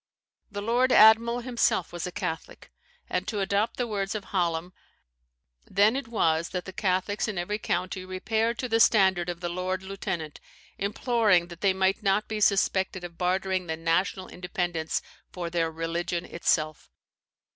The lord admiral himself was a Catholic, and (to adopt the words of Hallam) "then it was that the Catholics in every county repaired to the standard of the lord lieutenant, imploring that they might not be suspected of bartering the national independence for their religion itself."